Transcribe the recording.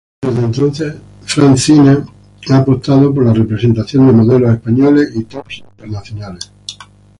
Desde entonces Francina ha apostado por la representación de modelos españoles y tops internacionales.